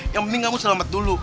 yang penting kamu selamat dulu